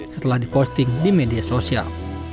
setelah diposting di media sosial